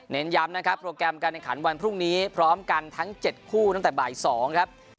ย้ำนะครับโปรแกรมการแข่งขันวันพรุ่งนี้พร้อมกันทั้ง๗คู่ตั้งแต่บ่าย๒ครับ